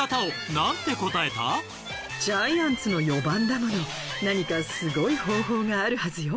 ジャイアンツの４番だもの何かすごい方法があるはずよ。